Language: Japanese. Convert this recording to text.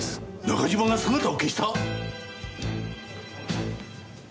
中島が姿を消した！？